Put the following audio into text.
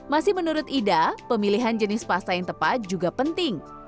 masih menurut ida pemilihan jenis pasta yang tepat juga penting